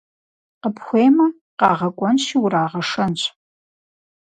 Къыпхуеймэ, къагъэкӀуэнщи урагъэшэнщ.